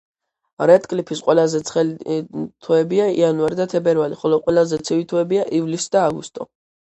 რედკლიფის ყველაზე ცხელი თვეებია იანვარი და თებერვალი, ხოლო ყველაზე ცივი თვეებია ივლისი და აგვისტო.